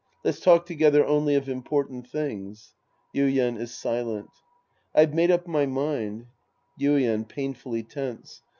Let's talk together only of important things. (Yuien is silent.) I've made up my mind. Yuien {painfully tense).